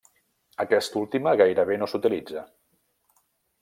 Aquesta última gairebé no s'utilitza.